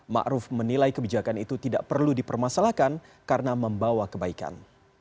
ma'ruf menilai kebijakan itu tidak perlu dipermasalahkan karena membawa kebaikan